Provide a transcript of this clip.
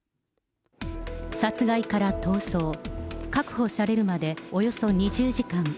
殺害から逃走、確保されるまでおよそ２０時間。